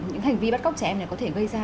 những hành vi bắt cóc trẻ em này có thể gây ra